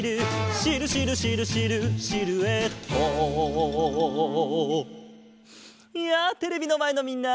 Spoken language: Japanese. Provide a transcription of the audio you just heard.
「シルシルシルシルシルエット」やあテレビのまえのみんな！